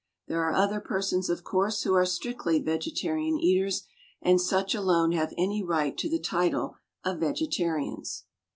There are other persons, of course, who are strictly vegetarian eaters, and such alone have any right to the title of vegetarians."